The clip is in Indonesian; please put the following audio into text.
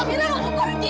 amira aku pergi